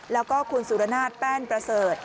แล้วก็คุณสุรนาศแป้นประเสริฐ